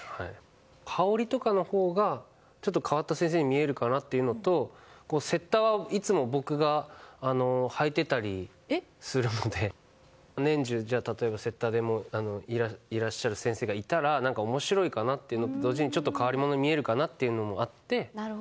羽織りとかのほうが変わった先生に見えるかなというのと雪駄を僕がいつも履いていたりするので年中、例えば雪駄でいらっしゃる先生がいたら面白いかなというのと同時にちょっと変わり者に見えるかなというのもあって。